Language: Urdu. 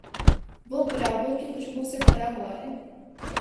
وہ گلابوں کی خوشبو سے بھرا ہوا ہے۔